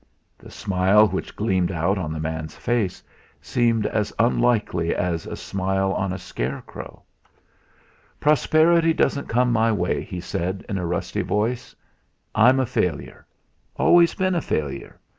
The smile which gleamed out on the man's face seemed as unlikely as a smile on a scarecrow. "Prosperity doesn't come my way," he said in a rusty voice. "I'm a failure always been a failure.